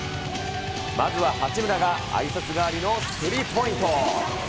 まずは八村が、あいさつ代わりのスリーポイント。